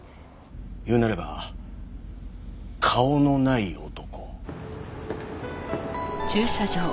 言うならば顔のない男。